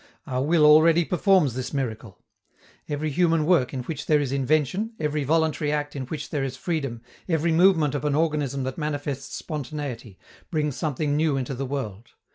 Our will already performs this miracle. Every human work in which there is invention, every voluntary act in which there is freedom, every movement of an organism that manifests spontaneity, brings something new into the world.